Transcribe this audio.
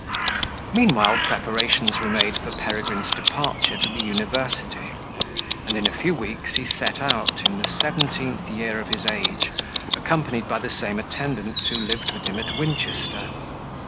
Meanwhile preparations were made for Peregrine's departure to the university, and in a few weeks he set out, in the seventeenth year of his age, accompanied by the same attendants who lived with him at Winchester.